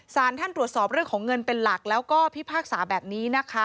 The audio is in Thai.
สารท่านตรวจสอบเรื่องของเงินเป็นหลักแล้วก็พิพากษาแบบนี้นะคะ